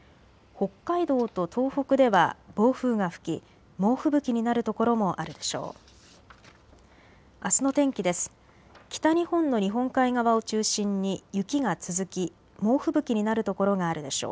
北海道と東北では暴風が吹き猛吹雪になる所もあるでしょう。